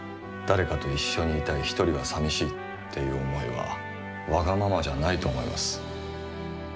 誰かと一緒にいたいひとりはさみしいっていう思いはわがままじゃないと思います。